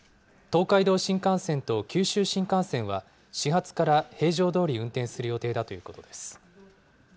東海道新幹線と九州新幹線は、始発から平常どおり運転する予定だということです。